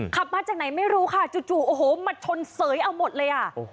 มาจากไหนไม่รู้ค่ะจู่โอ้โหมาชนเสยเอาหมดเลยอ่ะ